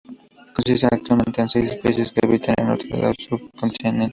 Consiste actualmente en seis especies que habitan al norte del subcontinente.